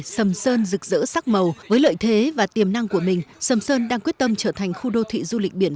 sầm sơn rực rỡ sắc màu với lợi thế và tiềm năng của mình sầm sơn đang quyết tâm trở thành khu đô thị du lịch biển